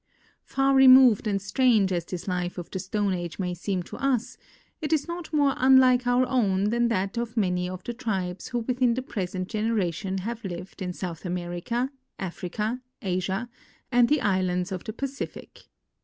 Far removed and strange as this life of the Stone .\ge may 168 THE EFFECTS OF GEOGRAPHIC ENVIRONMENT seem to us, it is not more unlike our own than that of manj^ of the tribes who within the present generation have lived in South America, Africa, Asia, and the islands of the Pacific.